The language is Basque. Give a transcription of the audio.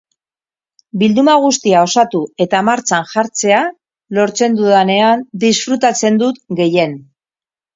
Bilduma guztia osatu eta martxan jartzea lortzen dudanean disfrutatzen dut gehien.